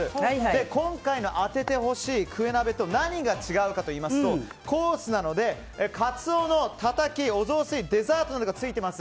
今回の当ててほしいクエ鍋と何が違うかといいますとコースなのでカツオのたたき、お雑炊デザートなどがついています。